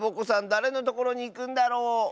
だれのところにいくんだろう？